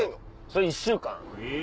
それ１週間。